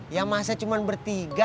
ya masa cuma bertiga